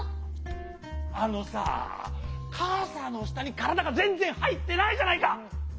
あのさかさのしたにからだがぜんぜんはいってないじゃないか！